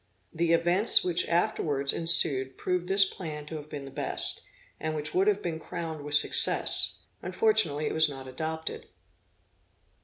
The events which afterwards ensued proved this plan to have been the best, and which would have been crowned with success; unfortunately it was not adopted.